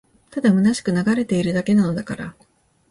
ただ空しく流れているだけなのだから